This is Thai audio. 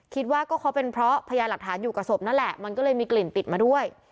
คิดว่าก็เขาเป็นเพราะพยานหลักฐานอยู่กับศพนั่นแหละมันก็เลยมีกลิ่นติดมาด้วย